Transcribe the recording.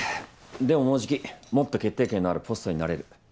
でももうじきもっと決定権のあるポストになれる。